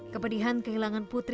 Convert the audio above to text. kepedihan kehilangan putri